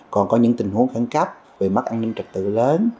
còn có những tình huống khẳng cấp về mất an ninh trật tự lớn